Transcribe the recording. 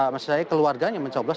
maksud saya keluarganya mencoblos